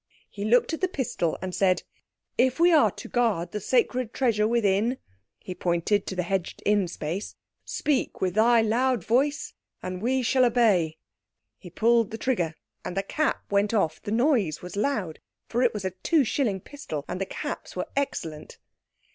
He looked at the pistol and said— "If we are to guard the sacred treasure within"—he pointed to the hedged in space—"speak with thy loud voice, and we shall obey." He pulled the trigger, and the cap went off. The noise was loud, for it was a two shilling pistol, and the caps were excellent.